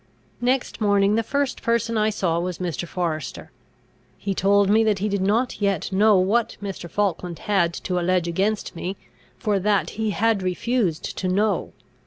Next morning the first person I saw was Mr. Forester. He told me that he did not yet know what Mr. Falkland had to allege against me, for that he had refused to know.